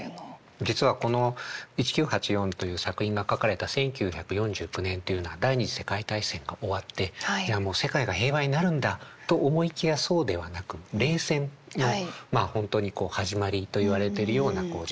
実はこの「１９８４」という作品が書かれた１９４９年というのは第二次世界大戦が終わってじゃあもう世界が平和になるんだと思いきやそうではなく冷戦の本当に始まりといわれてるような時代ですよね。